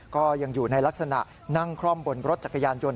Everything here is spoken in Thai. ก็ยังอยู่ในลักษณะนั่งคล่อมบนรถจักรยานยนต